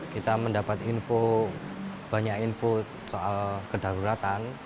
kita mendapatkan banyak input soal kedaruratan